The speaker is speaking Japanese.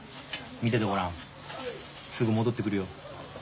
見ててごらんすぐ戻ってくるよ。